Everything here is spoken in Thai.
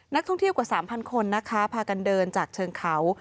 นักท่องเที่ยวกว่า๓๐๐คนนะคะพากันเดินจากเชิงเขา